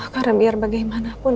karena biar bagaimanapun